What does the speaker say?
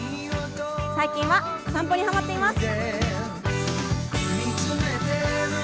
最近は散歩にハマっています。